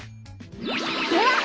では！